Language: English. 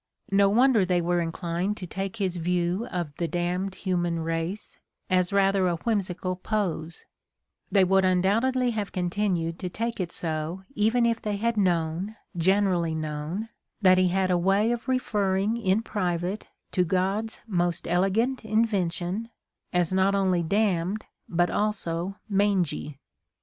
No wonder they were inclined to take his view of "the damned human race" as rather a whimsical pose ; they would undoubtedly have continued to take it so even if they had known, generally known, that he had a way of referring in private to "God's most ele gant invention" as not only "damned" but also "mangy."